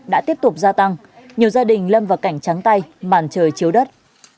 đã tiếp tục gia tăng nhiều gia đình lâm vào cảnh trắng tay màn trời chiếu đất